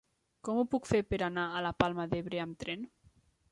Com ho puc fer per anar a la Palma d'Ebre amb tren?